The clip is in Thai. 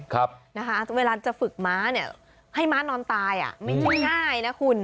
ครับนะคะเวลาจะฝึกม้าเนี้ยให้ม้านอนตายอ่ะไม่ง่ายนะคุณ